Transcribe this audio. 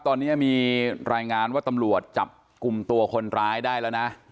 ตอนนี้มีรายงานว่าตำรวจจับกลุ่มตัวคนร้ายได้แล้วนะ